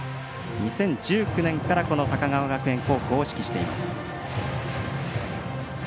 ２０１９年から高川学園を指揮しています。